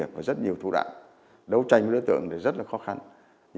vào vòng vòng nhé